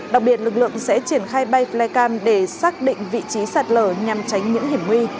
đặc biệt lực lượng sẽ triển khai bay flycam để xác định vị trí sạt lở nhằm tránh những hiểm nguy